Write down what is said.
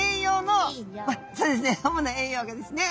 主な栄養がですね